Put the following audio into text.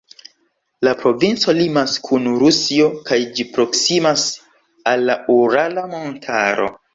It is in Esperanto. La provinco limas kun Rusio kaj ĝi proksimas al la Urala Montaro.